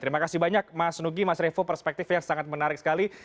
terima kasih banyak mas nugi mas revo perspektif yang sangat menarik sekali